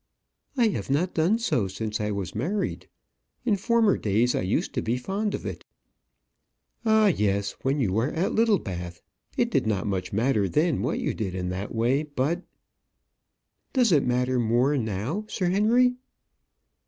"I have not done so since I was married. In former days I used to be fond of it." "Ah, yes; when you were at Littlebath. It did not much matter then what you did in that way; but " "Does it matter more now, Sir Henry?"